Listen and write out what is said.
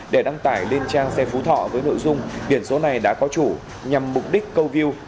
để đăng tải lên trang xe phú thọ với nội dung biển số này đã có chủ nhằm mục đích câu view